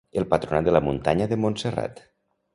El Patronat de la Muntanya de Montserrat.